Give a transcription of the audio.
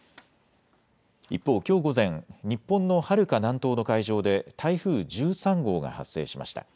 一方、きょう午前、日本のはるか南東の海上で台風１３号が発生しました。